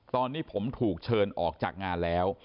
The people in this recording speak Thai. ตอนนี้ผมถูกเชิญออกจากงานแล้ว